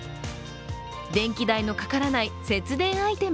電気代のかからない節電アイテム。